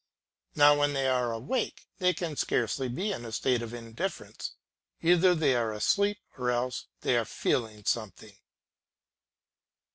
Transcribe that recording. Now when they are awake they can scarcely be in a state of indifference, either they are asleep or else they are feeling something.